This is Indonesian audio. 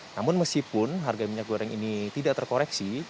namun meskipun harga minyak goreng ini tidak terkoreksi